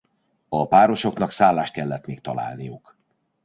A párosoknak szállást kellett még találniuk.